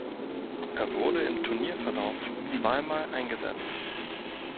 Er wurde im Turnierverlauf zwei Mal eingesetzt.